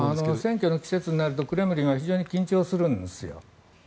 選挙の季節になるとクレムリンは非常に緊張するんですよ。